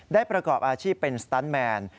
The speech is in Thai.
ประกอบอาชีพเป็นสตันแมน